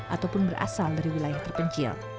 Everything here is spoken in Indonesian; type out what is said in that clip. ataupun berasal dari wilayah terpencil